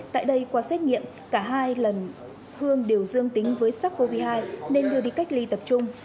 tại đây qua xét nghiệm cả hai lần hương đều dương tính với sars cov hai nên đưa đi cách ly tập trung